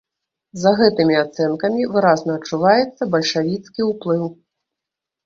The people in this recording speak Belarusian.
За гэтымі ацэнкамі выразна адчуваецца бальшавіцкі ўплыў.